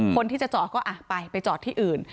คนที่จะจอดก็ไปไปจอดที่อื่น